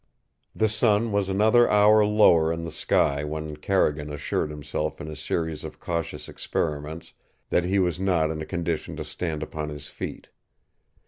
The sun was another hour lower in the sky when Carrigan assured himself in a series of cautious experiments that he was not in a condition to stand upon his feet.